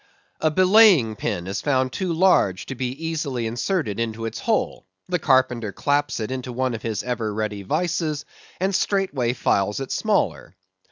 A belaying pin is found too large to be easily inserted into its hole: the carpenter claps it into one of his ever ready vices, and straightway files it smaller.